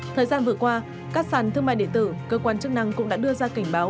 thời gian vừa qua các sàn thương mại điện tử cơ quan chức năng cũng đã đưa ra cảnh báo